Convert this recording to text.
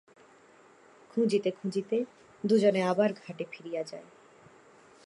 খুঁজিতে খুঁজিতে দুজনে আবার ঘাটে ফিরিয়া যায়।